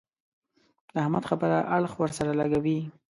د احمد خبره اړخ ور سره لګوي.